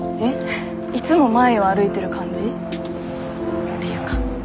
いつも前を歩いてる感じっていうか。